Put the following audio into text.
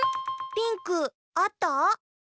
ピンクあった？